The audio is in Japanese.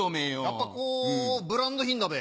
やっぱブランド品だべ。